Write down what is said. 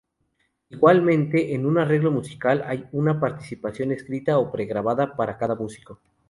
Igualmente, en un arreglo musical hay una participación escrita o pre-grabada para cada músico.